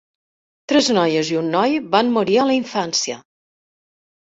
Tres noies i un noi van morir a la infància.